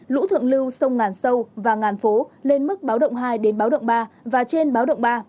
lũ thượng lưu sông ngàn sâu và ngàn phố lên mức báo động hai đến báo động ba và trên báo động ba